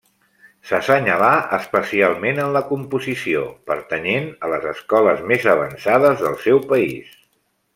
S'assenyalà especialment en la composició, pertanyent a les escoles més avançades del seu país.